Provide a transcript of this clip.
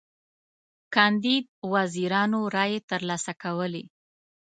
کاندید وزیرانو رایی تر لاسه کولې.